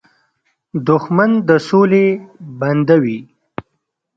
دښمن د سولې بنده وي